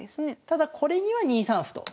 ただこれには２三歩と。